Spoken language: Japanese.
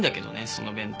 その弁当。